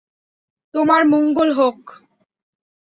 তোমার মঙ্গল হোক।